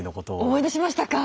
思い出しましたか！